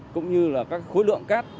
cũng như là các khối lượng cát